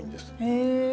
へえ！